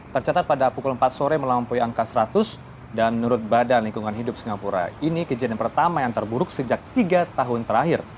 tercatat pada pukul empat sore melampaui angka seratus dan menurut badan lingkungan hidup singapura ini kejadian pertama yang terburuk sejak tiga tahun terakhir